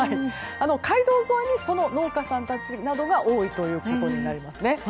街道沿いに、その農家さんたちが多いということになります。